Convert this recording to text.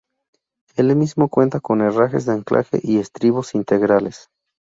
El mismo cuenta con herrajes de anclaje y estribos integrales.